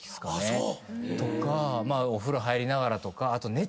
まあお風呂入りながらとかあと。